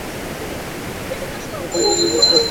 ওকে নিয়ে প্রথম ম্যাচটা যেন আমরা পুরো পয়েন্ট নিয়ে জিততে পারি।